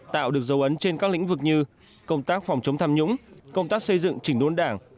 tạo được dấu ấn trên các lĩnh vực như công tác phòng chống tham nhũng công tác xây dựng chỉnh đốn đảng